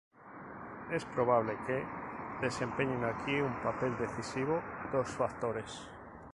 Es probable que desempeñen aquí un papel decisivo dos factores.